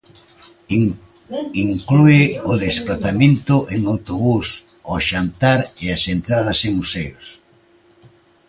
Inclúe o desprazamento en autobús, o xantar e as entradas en museos.